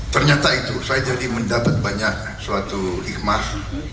ternyata itu saya jadi mendapat banyak suatu hikmah